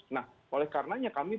nah oleh karenanya kami